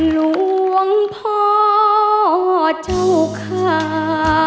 หลวงพ่อเจ้าขา